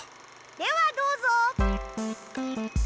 ではどうぞ！